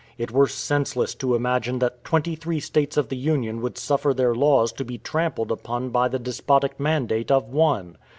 It were senseless to imagine that twenty three States of the Union would suffer their laws to be trampled upon by the despotic mandate of one.